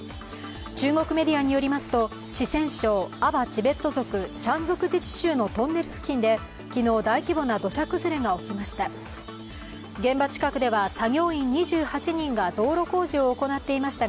中国メディアによりますと、四川省アバ・チベット族、チャン族自治州のトンネル付近で昨日、大規模な土砂崩れが起きました。